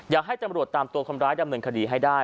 อยากให้ตำรวจได้ตามตัวคล้ำหร้ายบนเรื่องดำเนินคดีให้ได้